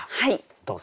どうぞ。